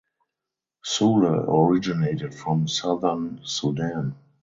Sule originated from southern Sudan.